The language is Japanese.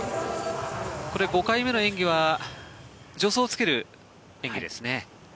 これは５回目の演技は助走をつける演技ですね。